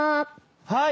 はい！